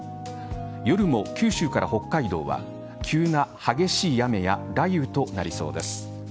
夜も九州から北海道は急な激しい雨や雷雨となりそうです。